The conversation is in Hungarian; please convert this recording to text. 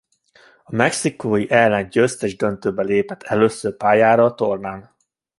A Mexikó elleni győztes döntőben lépett először pályára a tornán.